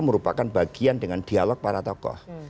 merupakan bagian dengan dialog para tokoh